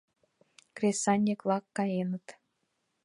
Кресаньык-влак каеныт.